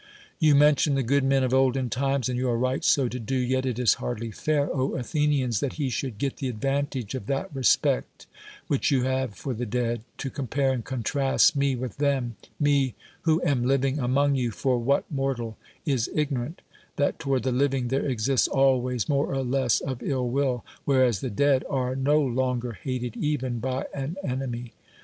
You mention the good men of olden times ; and you are right so to do. Yet it is hardly fair, Athenians, that he should get the advantage of that respect which you have for the dead, to compare and contrast me with them, — me who am living among you; for what mortal is igno rant, that toward the living there exists always more or less of ill will, whereas the dead are no longer hated even by an enemy?